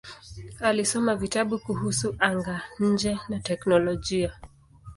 Alisoma vitabu kuhusu anga-nje na teknolojia.